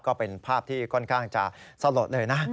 ก็เป็นภาพที่ค่อนข้างจะสลดเลยนะ